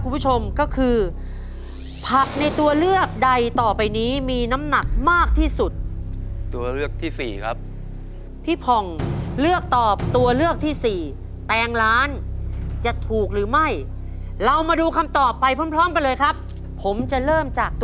ผมจะเลือกเฉลยจาก